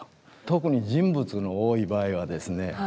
特に人物の多い場合はですね